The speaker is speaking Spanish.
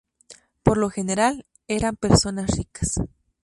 Por lo general, eran personas ricas.